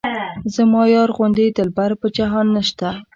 زما یار غوندې دلبر په جهان نشته.